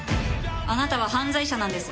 あなたは犯罪者なんです。